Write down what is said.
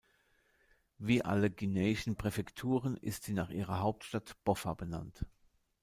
Wie alle guineischen Präfekturen ist sie nach ihrer Hauptstadt, Boffa, benannt.